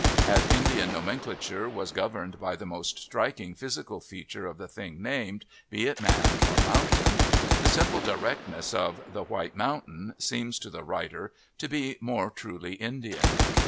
As In dian nomenclature was governed by the most striking physical feature of the thing named, be it man or mountain, the simple directness of " The White IX PREFACE Mountain ' seems to the writer to be more truly Indian.